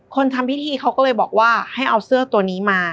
ทำพิธีเขาก็เลยบอกว่าให้เอาเสื้อตัวนี้มา